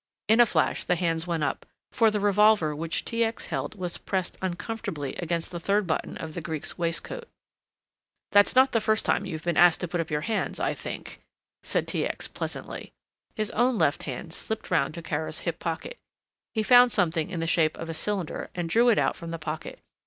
In a flash the hands went up, for the revolver which T. X. held was pressed uncomfortably against the third button of the Greek's waistcoat. "That's not the first time you've been asked to put up your hands, I think," said T. X. pleasantly. His own left hand slipped round to Kara's hip pocket. He found something in the shape of a cylinder and drew it out from the pocket.